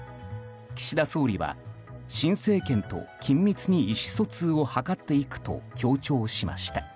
岸田総理は新政権と緊密に意思疎通を図っていくと強調しました。